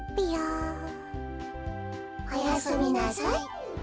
おやすみなさい。